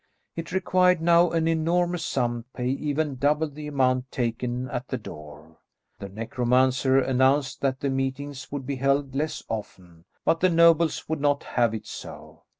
It required now an enormous sum to pay even double the amount taken at the door. The necromancer announced that the meetings would be held less often, but the nobles would not have it so.